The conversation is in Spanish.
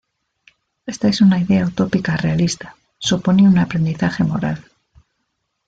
Esta es una idea utópica realista, supone un aprendizaje moral.